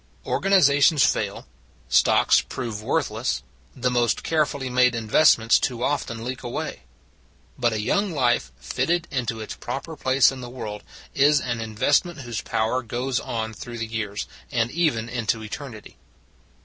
Organizations fail, stocks prove worth less, the most carefully made investments too often leak away. But a young life fitted into its proper place in the world is an investment whose power goes on through the years, and even into eternity.